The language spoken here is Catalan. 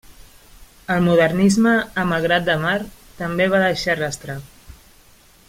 El modernisme a Malgrat de Mar també va deixar rastre.